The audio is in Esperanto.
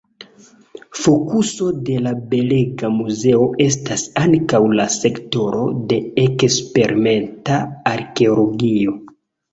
Fokuso de la belega muzeo estas ankaŭ la sektoro de eksperimenta arkeologio.